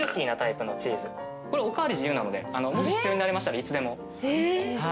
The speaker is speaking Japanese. これお代わり自由なので必要になりましたらいつでも。